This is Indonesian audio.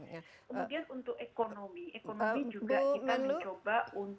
kemudian untuk ekonomi ekonomi juga kita mencoba untuk